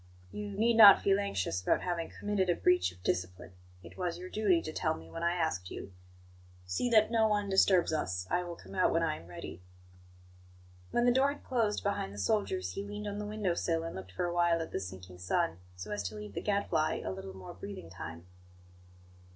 "You need not feel anxious about having committed a breach of discipline; it was your duty to tell me when I asked you. See that no one disturbs us. I will come out when I am ready." When the door had closed behind the soldiers, he leaned on the window sill and looked for a while at the sinking sun, so as to leave the Gadfly a little more breathing time.